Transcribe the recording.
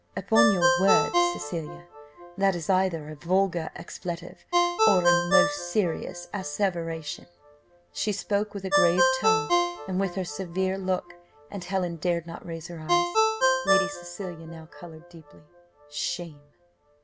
"Upon your word, Cecilia! that is either a vulgar expletive or a most serious asseveration." She spoke with a grave tone, and with her severe look, and Helen dared not raise her eyes; Lady Cecilia now coloured deeply. "Shame!